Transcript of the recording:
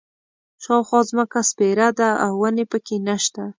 شاوخوا ځمکه سپېره ده او ونې په کې نه شته.